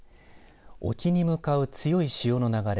沖に向かう強い潮の流れ